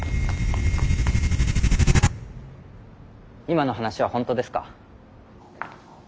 今の話は本当ですか？